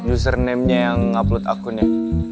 usernamenya yang upload akunnya